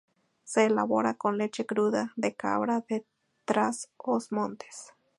Se elabora con leche cruda de cabra de Trás-os-Montes.